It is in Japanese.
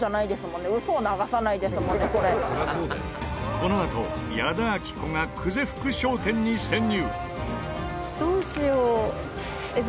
このあと、矢田亜希子が久世福商店に潜入！